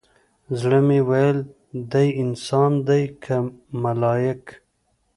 زړه مې ويل دى انسان دى كه ملايك؟